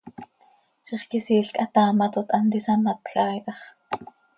Zixquisiil quih hataamatot, hant isamatj haa hi tax.